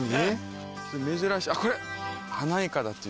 珍しい。